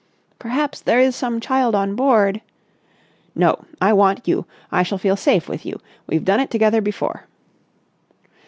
"Perhaps there is some child on board...." "No. I want you. I shall feel safe with you. We've done it together before."